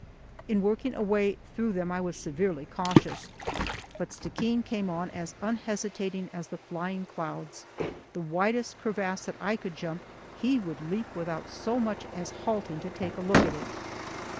In working a way through them I was severely cautious, but Stickeen came on as unhesitating as the flying clouds. The widest crevasse that I could jump he would leap without so much as halting to take a look at it.